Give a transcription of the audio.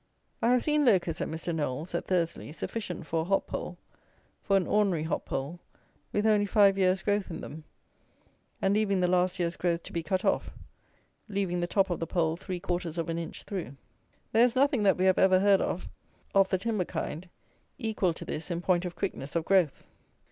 I have seen locusts, at Mr. Knowles's, at Thursley, sufficient for a hop pole, for an ordinary hop pole, with only five years' growth in them, and leaving the last year's growth to be cut off, leaving the top of the pole three quarters of an inch through. There is nothing that we have ever heard of, of the timber kind, equal to this in point of quickness of growth.